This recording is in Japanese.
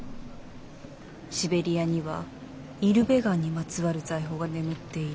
シベリアにはイルベガンにまつわる財宝が眠っている。